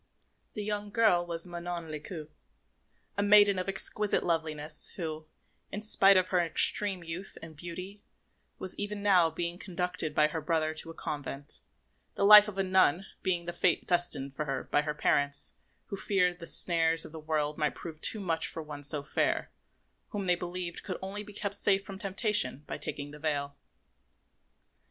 The young girl was Manon Lescaut, a maiden of exquisite loveliness, who, in spite of her extreme youth and beauty, was even now being conducted by her brother to a convent, the life of a nun being the fate destined for her by her parents, who feared that the snares of the world might prove too much for one so fair, whom they believed could only be kept safe from temptation by taking the veil.